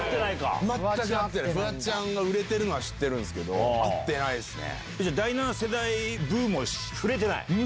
フワちゃんが売れてるのは知ってるけど会ってないですね。